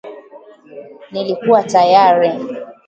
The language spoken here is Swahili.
Nilikuwa tayari